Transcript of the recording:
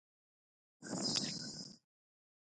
افغانستان د د هېواد مرکز کوربه دی.